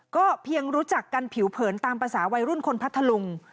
ก็เพียงรู้จักกันผิวเผินตามภาษาวัยรุ่นคนพัทธลุง